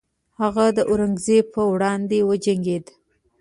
هغه د اورنګزیب پر وړاندې وجنګید.